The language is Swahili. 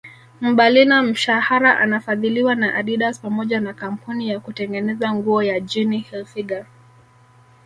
Mbalina mshahara anafadhiliwa na Adidas pamoja na kampuni ya kutengeneza nguo ya Ginny Hilfiger